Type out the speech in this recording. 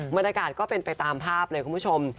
บรรยากาศก็เป็นไปตามภาพเลยคุณผู้ชม